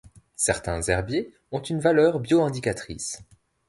Certains herbiers ont une valeur bioindicatrice.